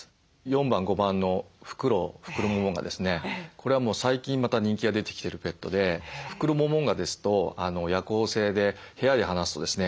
これはもう最近また人気が出てきてるペットでフクロモモンガですと夜行性で部屋に放すとですね